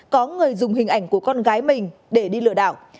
có người dùng hình ảnh của con gái mình để đi lừa đảo